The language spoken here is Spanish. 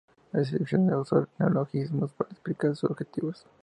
Es aficionado a usar neologismos para explicar sus objetivos.